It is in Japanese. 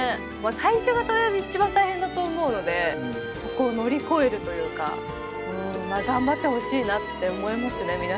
最初がとりあえず一番大変だと思うのでそこを乗り越えるというか頑張ってほしいなって思いますね。